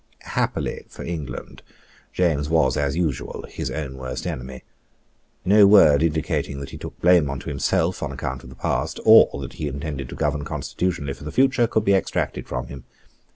Happily for England, James was, as usual, his own worst enemy. No word indicating that he took blame to himself on account of the past, or that he intended to govern constitutionally for the future, could be extracted from him.